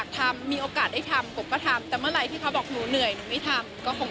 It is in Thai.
ถ้าไม่ให้เขาฝดรองด้วยตัวของเขาเอง